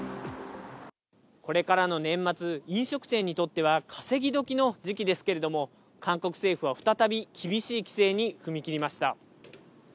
これからの年末、飲食店にとっては稼ぎどきの時期ですけれども、韓国政府は再び厳しい規制に踏み切りました。